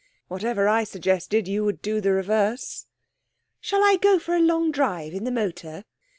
'Whatever I suggested you would do the reverse.' 'Shall I go for a long drive in the motor?'